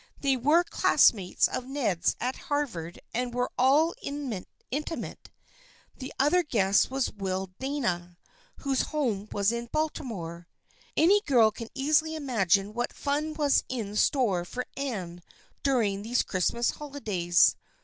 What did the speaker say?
They were classmates of Ned's at Harvard and were all inti mate. The other guest was Will Dana, whose home was in Baltimore. Any girl can easily imagine what fun was in store for Anne during these Christmas holidays.